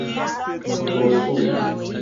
rusujo